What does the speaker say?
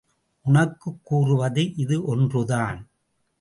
உனக்குக் கூறுவது இது ஒன்றுதான்.